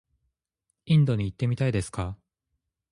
インドに行ってみたいですか？